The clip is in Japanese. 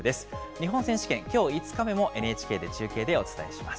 日本選手権、きょう５日目もＮＨＫで中継でお伝えします。